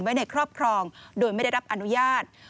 ไว้ในครอบครองโดยไม่ได้รับอนุญาต